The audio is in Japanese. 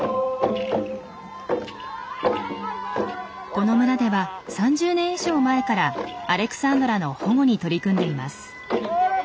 この村では３０年以上前からアレクサンドラの保護に取り組んでいます。